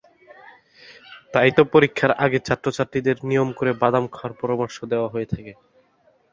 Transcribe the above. তাই তো পরীক্ষার আগে ছাত্র-ছাত্রীদের নিয়ম করে বাদাম খাওয়ার পরামর্শ দেওয়া হয়ে থাকে।